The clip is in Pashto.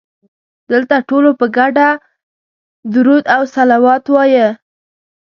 دلته ټولو په ګډه درود او صلوات وایه.